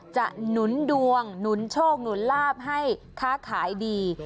หนุนดวงหนุนโชคหนุนลาบให้ค้าขายดี